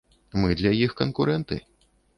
Мы для іх канкурэнты.